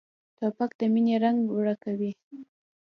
توپک د مینې رنګ ورکوي.